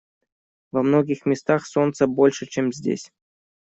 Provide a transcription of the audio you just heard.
Во многих местах солнца больше, чем здесь.